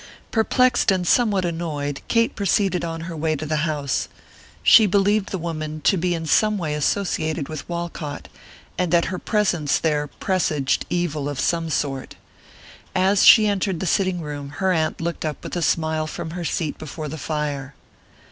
Perplexed and somewhat annoyed, Kate proceeded on her way to the house. She believed the woman to be in some way associated with Walcott, and that her presence there presaged evil of some sort. As she entered the sitting room her aunt looked up with a smile from her seat before the fire.